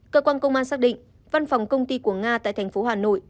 cơ quan công an xác định văn phòng công ty của nga tại thành phố hà nội